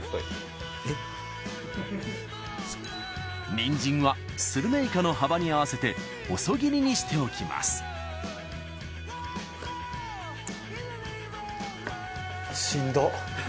にんじんはするめいかの幅に合わせて細切りにしておきますしんど。